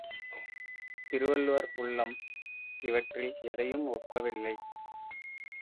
திருவள்ளுவர் உள்ளம் இவற்றில் எதையும் ஒப்பவில்லை.